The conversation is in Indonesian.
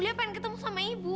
dia pengen ketemu sama ibu